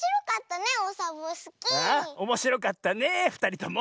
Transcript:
おもしろかったねふたりとも。